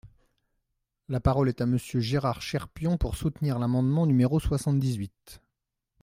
La parole est à Monsieur Gérard Cherpion, pour soutenir l’amendement numéro soixante-dix-huit.